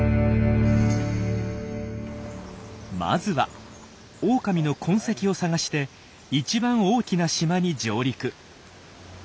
まずはオオカミの痕跡を探して一番大きな島に上陸。